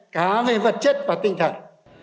cá với vật chất và tinh thần